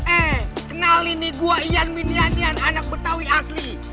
eh kenalin nih gue ian minianian anak betawi asli